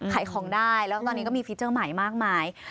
ขายของได้แล้วตอนนี้ก็มีฟิเจอร์ใหม่มากมาย